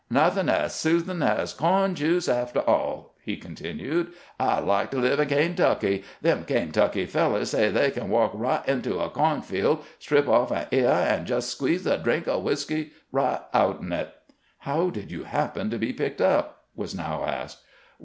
" Nothin' as soothin' as co'n juice, aftah aU," he continued. " I 'd like to live in Kaintucky; them Kaintucky fellers say they can walk right into a co'n field, strip off an eah, and jes' squeeze a drink of whisky right out'n it." " How did you happen to be picked up ?" was now asked.